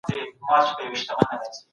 انسان تل د الهي احکامو تابع دی.